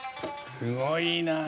すごいな。